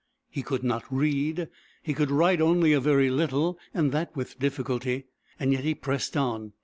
He could not read, he could write only a very little and that with difficulty, and yet he pressed on.